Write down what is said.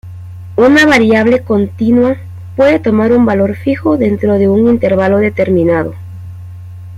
Una variable continua puede tomar un valor fijo dentro de un intervalo determinado.